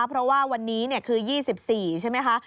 เพราะว่าวันนี้คือ๒๔ใช่ไหมคะ